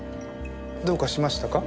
どうかしましたか？